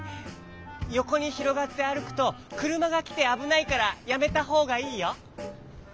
よこにひろがってあるくとくるまがきてあぶないからやめたほうがいいよ！